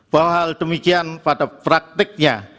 bahwa hal demikian pada praktiknya